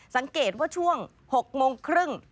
สังเกตว่าช่วง๖โมงครึ่ง